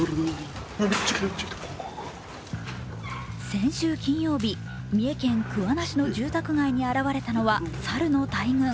先週金曜日、三重県桑名市の住宅街に現れたのは猿の大群。